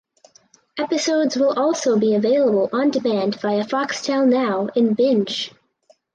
Episodes will also be available on demand via Foxtel Now and Binge.